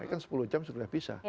kan sepuluh jam sudah bisa